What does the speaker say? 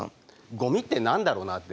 ゴミってなんだろうなって。